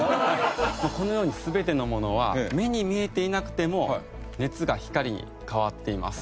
このように全てのものは目に見えていなくても熱が光に変わっています。